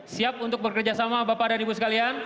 siap untuk bekerjasama bapak dan ibu sekalian